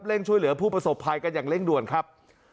ช่วยเหลือผู้ประสบภัยกันอย่างเร่งด่วนครับ